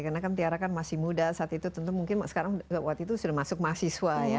karena tiara kan masih muda saat itu tentu mungkin sekarang waktu itu sudah masuk mahasiswa ya